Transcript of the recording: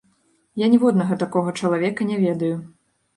Я ніводнага такога чалавека не ведаю.